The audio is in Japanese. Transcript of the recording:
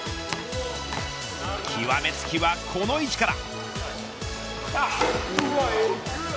極めつきはこの位置から。